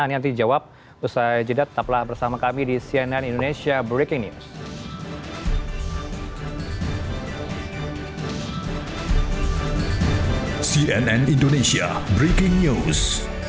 nanti jawab usai jeda tetaplah bersama kami di cnn indonesia breaking news